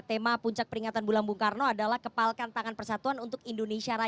tema puncak peringatan bulan bung karno adalah kepalkan tangan persatuan untuk indonesia raya